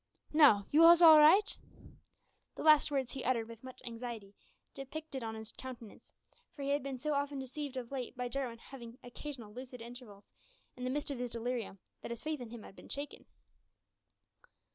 Now, you's hall right?" The last words he uttered with much anxiety depicted on his countenance, for he had been so often deceived of late by Jarwin having occasional lucid intervals in the midst of his delirium, that his faith in him had been shaken.